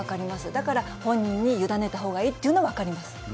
だから、本人に委ねたほうがいいっていうのも分かります。